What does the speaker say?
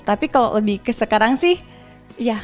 tapi kalau lebih ke sekarang sih ya